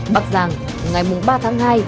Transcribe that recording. bắc giàng ngày ba tháng hai